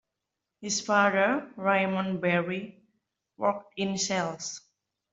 His father, Raymond Barry, worked in sales.